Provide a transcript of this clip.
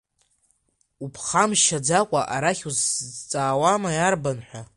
Уԥхамшьаӡакәа арахь усзҵаауама иарбан ҳәа!